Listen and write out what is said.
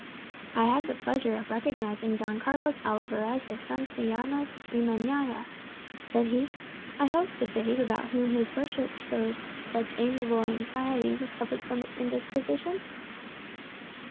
[#] "Blue blood" "I have the pleasure of recognizing Don Carlos Alvarez de Santillanos y Meñaya," said he. "I hope the babe about whom his worship showed such amiable anxiety recovered from its indisposition?"